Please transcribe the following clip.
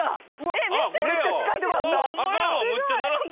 めっちゃ近いとこあった！